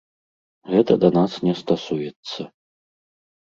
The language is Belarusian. Гэта да нас не стасуецца.